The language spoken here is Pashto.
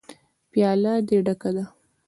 _پياله دې ډکه ده.